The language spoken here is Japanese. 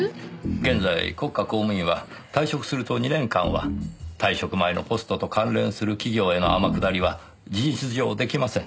現在国家公務員は退職すると２年間は退職前のポストと関連する企業への天下りは事実上出来ません。